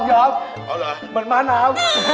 อ๋อเหรอเหมือนม้าน้ำ